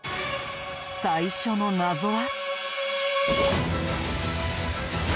最初の謎は。